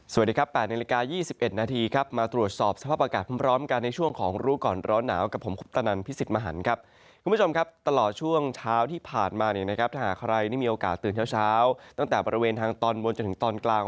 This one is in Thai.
สวัสดีครับ๘นาฬิกา๒๑นาทีครับมาตรวจสอบสภาพอากาศพร้อมกันในช่วงของรู้ก่อนร้อนหนาวกับผมคุปตนันพิสิทธิ์มหันครับคุณผู้ชมครับตลอดช่วงเช้าที่ผ่านมาเนี่ยนะครับถ้าหากใครนี่มีโอกาสตื่นเช้าตั้งแต่บริเวณทางตอนบนจนถึงตอนกลาง